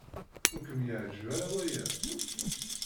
Ur kem-yeɛjib ara waya?